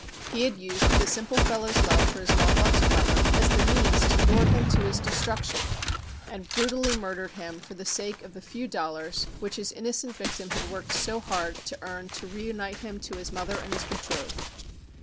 He had used the simple fellow's love for his long lost brother as the means to lure him to his destruction, and brutally murdered him for the sake of the few dollars which his innocent victim had worked so hard to earn to reunite him to his mother and his betrothed.